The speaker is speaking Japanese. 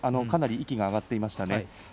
かなり息が上がっていました。